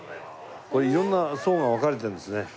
これ色んな層が分かれてるんですね。